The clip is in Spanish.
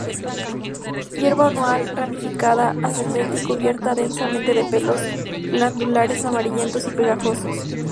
Hierba anual, ramificada, ascendente y cubierta densamente de pelos glandulares amarillentos y pegajosos.